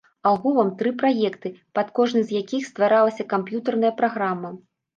Агулам тры праекты, пад кожны з якіх стваралася камп'ютарная праграма.